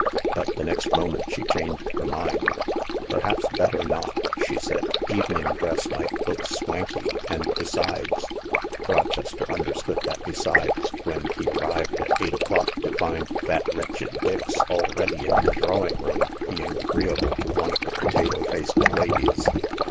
But the next moment she changed her mind. " Perhaps better not," she said. " Evening dress might look swanky — and besides ..." Rochester understood that " besides " when he arrived at eight o'clock to find " that wretched Dix" already in the drawing room being agreeable to one of the potato faced ladies.